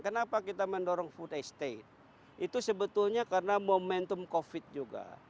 kenapa kita mendorong food estate itu sebetulnya karena momentum covid juga